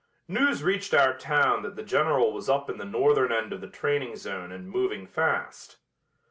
News reached our town that the general was up in the northern end of the training zone and moving fast.